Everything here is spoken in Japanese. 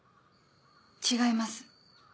違います。